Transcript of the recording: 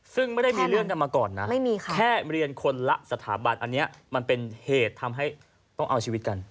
ซึ่งไม่ได้มีเรื่องกันมาก่อนนะแค่เรียนคนละสถาบันอันนี้มันเป็นเหตุทำให้ต้องเอาชีวิตกัน